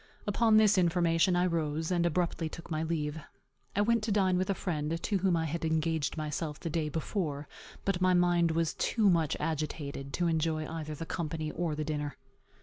Upon this information I rose, and abruptly took my leave. I went to dine with a friend, to whom I had engaged myself the day before; but my mind was too much agitated to enjoy either the company or the dinner.